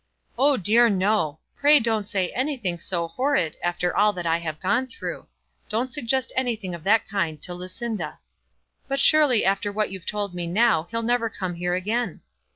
"Oh dear, no; pray don't say anything so horrid after all that I have gone through. Don't suggest anything of that kind to Lucinda." "But surely after what you've told me now, he'll never come here again."